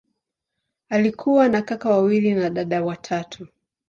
Alikuwa na kaka wawili na dada watatu.